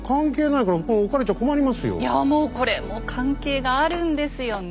いやもうこれ関係があるんですよね。